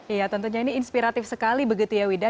iya tentunya ini inspiratif sekali begitu ya wida